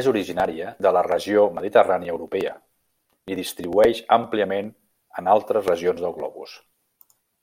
És originària de la regió mediterrània europea i distribuïx àmpliament en altres regions del globus.